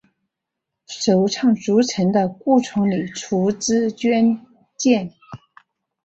首倡筑城的顾从礼出资捐建。